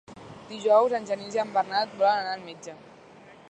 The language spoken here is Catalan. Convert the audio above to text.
Dijous en Genís i en Bernat volen anar al metge.